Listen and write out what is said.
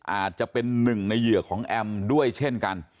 อาจจะเป็นหนึ่งในเหยื่อของแอมด้วยเช่นกัน